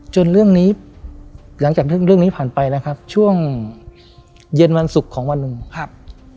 เรื่องนี้หลังจากเรื่องเรื่องนี้ผ่านไปแล้วครับช่วงเย็นวันศุกร์ของวันหนึ่งครับ